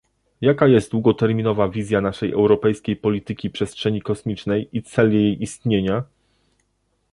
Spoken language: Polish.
Jaka jest długoterminowa wizja naszej europejskiej polityki przestrzeni kosmicznej i cel jej istnienia?